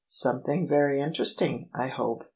Something very interesting, I hope."